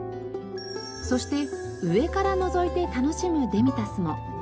そして上からのぞいて愉しむデミタスも。